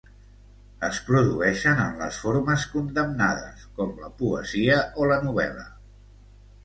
Es produeixen en les formes condemnades, com la poesia o la novel·la.